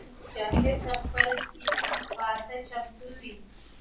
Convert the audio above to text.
مجاهد د خپل دین دفاع ته چمتو وي.